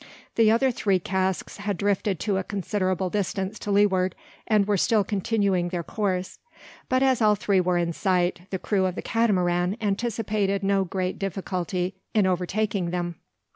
The other three casks had drifted to a considerable distance to leeward, and were still continuing their course; but as all three were in sight, the crew of the Catamaran anticipated no great difficulty in overtaking them.